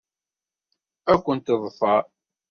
Ad ken-teḍfer.